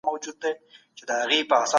دا پیغام له نورو سره شریک کړئ.